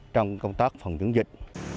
trong công tác phòng chống dịch